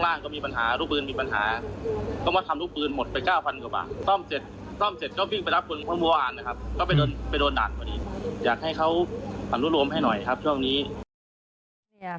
อยากให้เขาอนุโลมให้หน่อยครับช่วงนี้